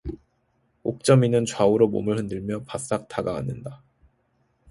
옥점이는 좌우로 몸을 흔들며 바싹 다가앉는다.